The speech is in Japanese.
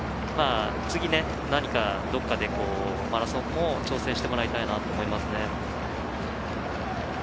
次、何か、どこかでマラソンも挑戦してもらいたいなと思います。